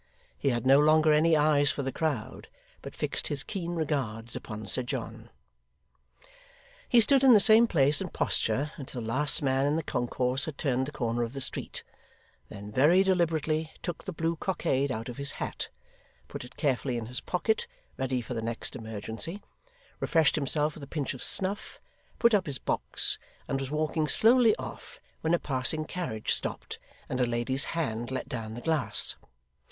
He had no longer any eyes for the crowd, but fixed his keen regards upon Sir John. He stood in the same place and posture until the last man in the concourse had turned the corner of the street; then very deliberately took the blue cockade out of his hat; put it carefully in his pocket, ready for the next emergency; refreshed himself with a pinch of snuff; put up his box; and was walking slowly off, when a passing carriage stopped, and a lady's hand let down the glass.